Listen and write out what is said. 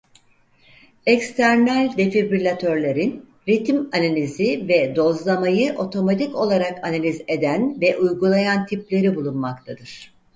Eksternal defibrilatörlerin ritm analizi ve dozlamayı otomatik olarak analiz eden ve uygulayan tipleri bulunmaktadır.